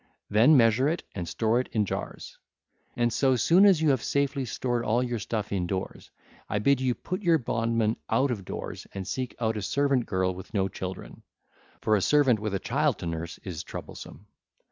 Then measure it and store it in jars. And so soon as you have safely stored all your stuff indoors, I bid you put your bondman out of doors and look out for a servant girl with no children;—for a servant with a child to nurse is troublesome.